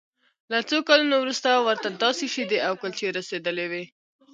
له څو کلونو وروسته ورته داسې شیدې او کلچې رسیدلې وې